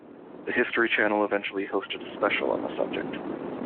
The History Channel eventually hosted a special on the subject.